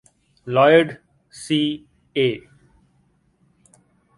Lloyd C. A.